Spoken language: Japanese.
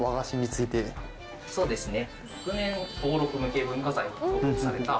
そうですね。